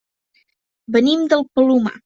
Venim del Palomar.